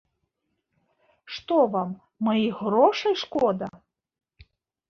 Што вам маіх грошай шкода?